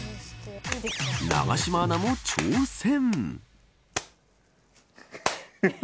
永島アナも挑戦。